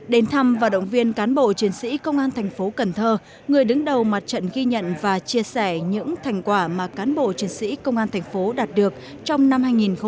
đến thăm và động viên cán bộ chiến sĩ công an thành phố cần thơ người đứng đầu mặt trận ghi nhận và chia sẻ những thành quả mà cán bộ chiến sĩ công an thành phố đạt được trong năm hai nghìn một mươi chín